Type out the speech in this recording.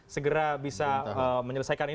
segera bisa menyelesaikan ini